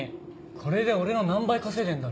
これで俺の何倍稼いでんだろう。